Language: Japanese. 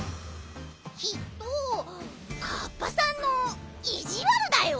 きっとかっぱさんのいじわるだよ。